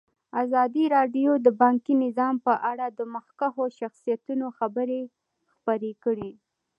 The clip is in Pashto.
ازادي راډیو د بانکي نظام په اړه د مخکښو شخصیتونو خبرې خپرې کړي.